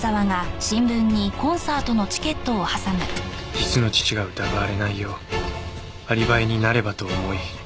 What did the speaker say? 実の父が疑われないようアリバイになればと思い